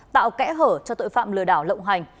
tạo kẽ hở cho tội phạm lừa đảo lộng hành